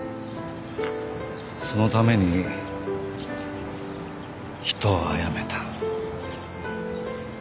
そのために人を殺めた。